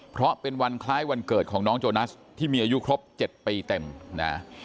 เพราะเป็นวันคล้ายวันเกิดของน้องโจนัสที่มีอายุครบ๗ปีเต็มนะ